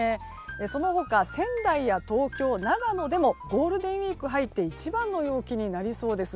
その他、仙台や東京、長野でもゴールデンウィーク入って一番の陽気になりそうです。